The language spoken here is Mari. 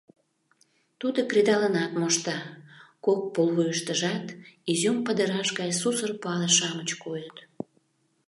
Тудо кредалынат мошта, кок пулвуйыштыжат изюм падыраш гай сусыр пале-шамыч койыт.